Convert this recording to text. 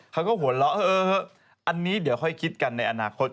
เขาก็หัวเราะเอออันนี้เดี๋ยวค่อยคิดกันในอนาคต